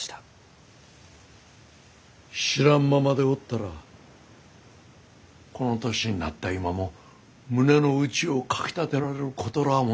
知らんままでおったらこの年になった今も胸の内をかきたてられることらあもなかったろう。